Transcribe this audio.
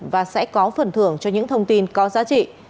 và sẽ có phần thưởng cho những thông tin có giá trị